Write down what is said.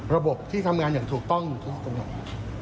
ระบบที่ทำงานอย่างถูกต้องอยู่ทุกตรงไหน